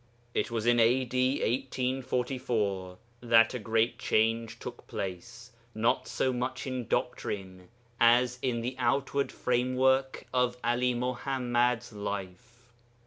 It was in A.D. 1844 that a great change took place, not so much in doctrine as in the outward framework of Ali Muḥammad's life.